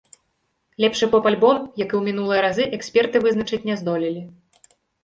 Лепшы поп-альбом, як і ў мінулыя разы, эксперты вызначыць не здолелі.